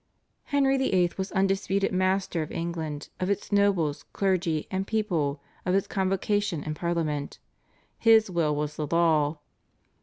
Henry VIII. was undisputed master of England, of its nobles, clergy, and people, of its Convocation, and Parliament. His will was the law.